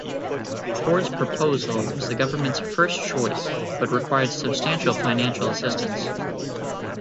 Ford's proposal was the government's first choice, but required substantial financial assistance.